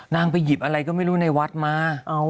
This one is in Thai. นางไปหยิบอะไรก็ไม่รู้ในวัดมา